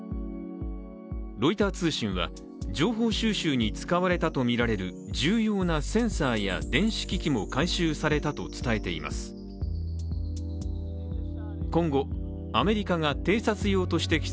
ロイター通信は情報収集に使われたとみられる重要なセンサーや電子機器も回収されたと伝えています。